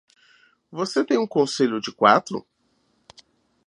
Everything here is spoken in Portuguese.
Você tem um conselho de quatro?